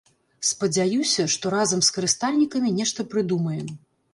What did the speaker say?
Спадзяюся, што разам з карыстальнікамі нешта прыдумаем.